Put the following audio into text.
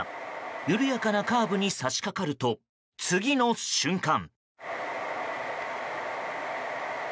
緩やかなカーブにさしかかると次の瞬間。